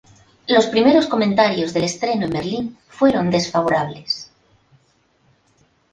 Los primeros comentarios del estreno en Berlín fueron desfavorables.